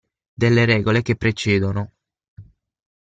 Delle regole che precedono.